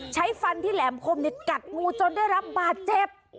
ใช้ฟันที่แหลมคมกัดงูจนได้รับบาดเจ็บ